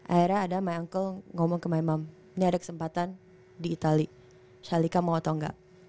akhirnya ada my uncle ngomong ke my mom ini ada kesempatan di itali shalika mau atau enggak